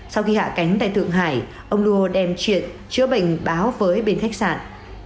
sau khi hạ cánh tại thượng hải ông đua đem chuyện chữa bệnh báo với bên khách sạn